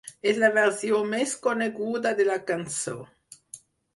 És la versió més coneguda de la cançó.